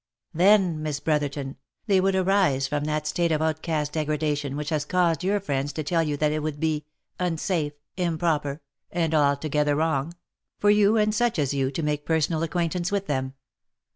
Then, Miss, Brotherton, they would arise from that state of outcast degradation which has caused your friends to tell you that it would be ' unsafe, improper, and altogether wrong/ for you, and such as you, to make personal acquaintance with them."